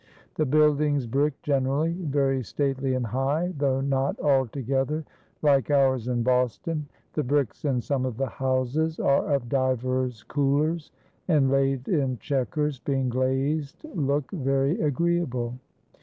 "The buildings brick generally, very stately and high, though not altogether like ours in Boston. The bricks in some of the houses are of divers coullers and laid in checkers, being glazed look very agreeable.